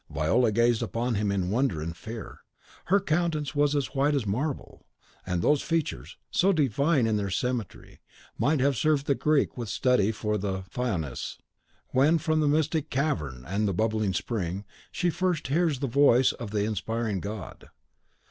Viola gazed upon him in wonder and fear. Her countenance was as white as marble; and those features, so divine in their rare symmetry, might have served the Greek with a study for the Pythoness, when, from the mystic cavern and the bubbling spring, she first hears the voice of the inspiring god.